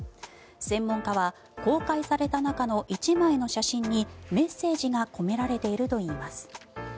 専門家は公開された中の１枚の写真にメッセージが込められているといいます。